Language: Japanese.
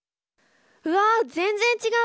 うわ全然違う！